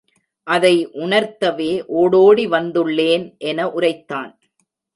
அதை உணர்த்தவே ஓடோடி வந்துள்ளேன், என உரைத்தான்.